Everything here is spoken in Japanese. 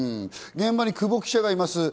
現場に久保記者がいます。